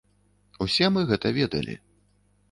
Усе мы гэта ведалі.